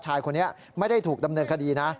ชายคนนี้ไม่ได้ถูกดำเนินคดีนะ